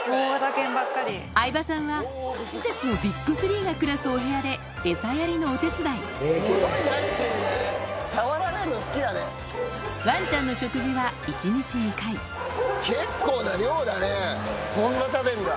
相葉さんは施設のＢＩＧ３が暮らすお部屋でエサやりのお手伝いワンちゃんのこんな食べるんだ。